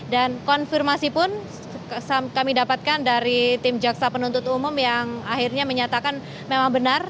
dan konfirmasi pun kami dapatkan dari tim jaksa penuntut umum yang akhirnya menyatakan memang benar